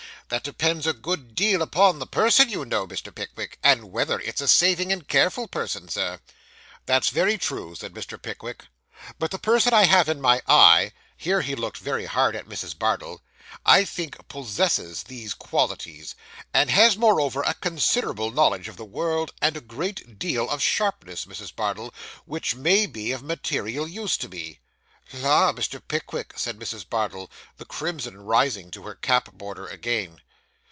'That depends a good deal upon the person, you know, Mr. Pickwick; and whether it's a saving and careful person, sir.' 'That's very true,' said Mr. Pickwick, 'but the person I have in my eye (here he looked very hard at Mrs. Bardell) I think possesses these qualities; and has, moreover, a considerable knowledge of the world, and a great deal of sharpness, Mrs. Bardell, which may be of material use to me.' 'La, Mr. Pickwick,' said Mrs. Bardell, the crimson rising to her cap border again.